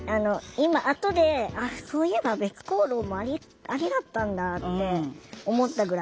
今後であっそういえば別行動もアリだったんだって思ったぐらい。